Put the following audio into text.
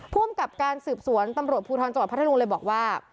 ภูมิกับการสืบสวนตำรวจภูทรจังหวัดพัทธรุงเลยบอกว่า